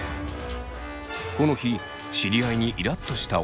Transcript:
この日知り合いにイラっとした小高さん。